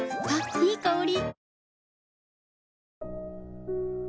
いい香り。